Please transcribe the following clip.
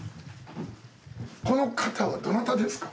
この方はどなたですか？